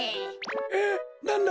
えっなんだ？